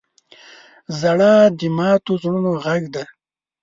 • ژړا د ماتو زړونو غږ دی.